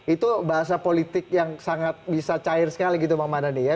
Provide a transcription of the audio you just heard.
itu bahasa politik yang sangat bisa cair sekali gitu bang mardhani ya